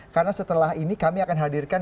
karena setelah ini kami akan hadirkan